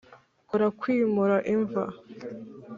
kora kwimura imva.